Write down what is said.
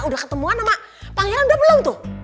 udah ketemuan sama pangeran udah bilang tuh